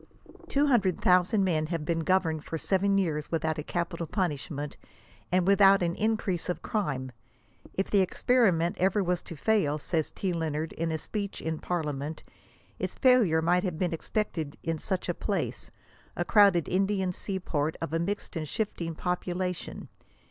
Two hun 9^1 dred thousand men have been governed for seven years without a capital punishment, and without an increase of crime." <' If the experiment ever wa§i to fail," says T. Lennard, in a speech in par liament, •• its failure might have been expected in such a place — a crowded Indian sea port, of a mixed and shifting population."